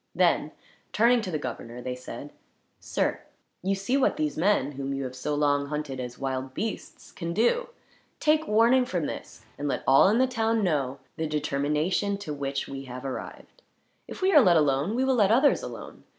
Then, turning to the governor they said: "Sir, you see what these men, whom you have so long hunted as wild beasts, can do. Take warning from this, and let all in the town know the determination to which we have arrived. If we are let alone, we will let others alone.